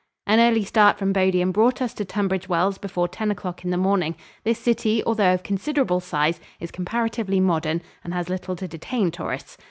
An early start from Bodiam brought us to Tunbridge Wells before ten o'clock in the morning. This city, although of considerable size, is comparatively modern and has little to detain tourists.